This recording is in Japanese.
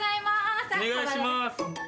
お願いします。